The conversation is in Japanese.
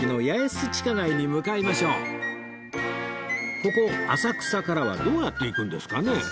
ここ浅草からはどうやって行くんですかね？